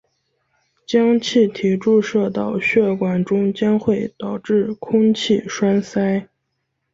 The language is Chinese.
将气体注射到血管中将会导致空气栓塞。